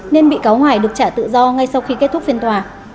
nên bị cáo hoài được trả tự do ngay sau khi kết thúc phiên tòa